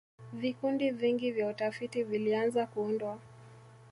vikundi vingi vya utafiti vilianza kuundwa